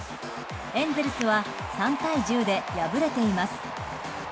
エンゼルスは３対１０で敗れています。